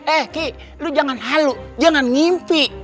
eh ki lo jangan halu jangan ngimpi